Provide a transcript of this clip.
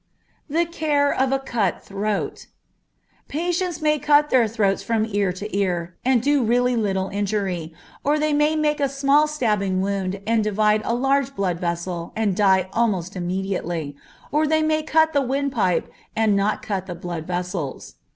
The Care of a Cut Throat. Patients may cut their throats from ear to ear and do really little injury, or they may make a small stabbing wound and divide a large blood vessel and die almost immediately, or they may cut the windpipe and not cut the blood vessels.